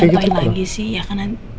masa aku nyampein lagi sih ya karena